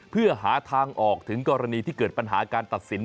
เพื่อหาทางออกถึงกรณีที่เกิดปัญหาการตัดสิน